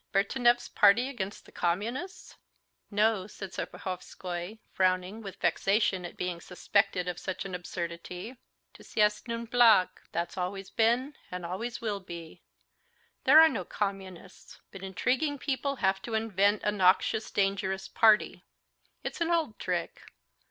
Bertenev's party against the Russian communists?" "No," said Serpuhovskoy, frowning with vexation at being suspected of such an absurdity. "Tout ça est une blague. That's always been and always will be. There are no communists. But intriguing people have to invent a noxious, dangerous party. It's an old trick.